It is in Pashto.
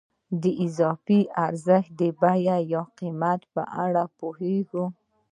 د اضافي ارزښت د بیې یا قیمت په اړه پوهېږو